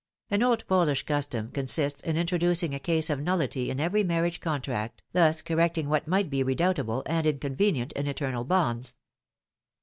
An old Polish custom consists in introducing a case of nullity in every marriage contract, thus correcting what might be redoubtable and inconvenient in eternal bonds.